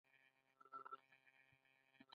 جانداد د نیک نیت پر مخ روان دی.